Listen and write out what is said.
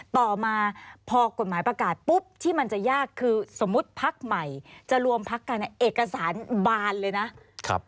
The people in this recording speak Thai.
ต่อมาพอกฎหมายประกาศปุ๊บที่มันจะยากคือสมมุติพักใหม่จะรวมพักกันเนี่ยเอกสารบานเลยนะครับ